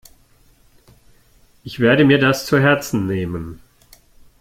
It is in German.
Ich werde mir das zu Herzen nehmen.